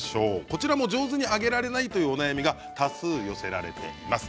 こちらも上手に揚げられないというお悩みが多数寄せられています。